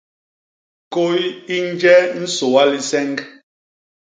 Kôy i nje nsôa liseñg.